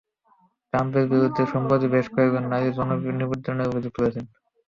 ট্রাম্পের বিরুদ্ধে সম্প্রতি বেশ কয়েকজন নারী যৌন নিপীড়নের অভিযোগ তুলেছেন।